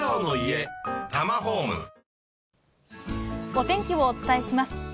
お天気をお伝えします。